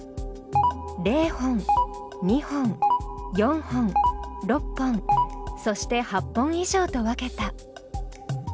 ０本２本４本６本そして８本以上と分けた。